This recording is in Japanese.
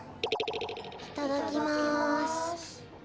いただきます。